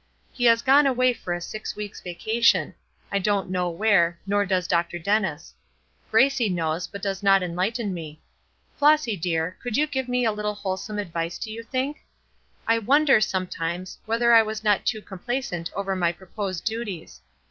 He has gone away for a six weeks' vacation; I don't know where, nor does Dr. Dennis. Gracie knows, but does not enlighten me. Flossy, dear, could you give me a little wholesome advice, do you think? I wonder, sometimes, whether I was not too complacent over my proposed duties.